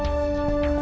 mak lampir kiai